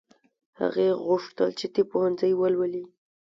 هغې غوښتل چې طب پوهنځی ولولي